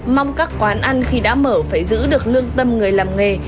mong các quán ăn khi đã mở phải giữ được lương tâm người làm nghề